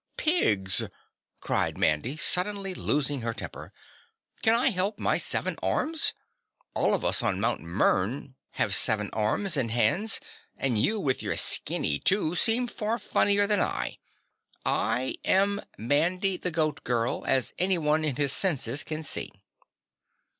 "PIGS!" cried Mandy, suddenly losing her temper. "Can I help my seven arms? All of us on Mt. Mern have seven arms and hands and you with your skinny two seem far funnier than I. I am Mandy, the Goat Girl, as anyone in his senses can see."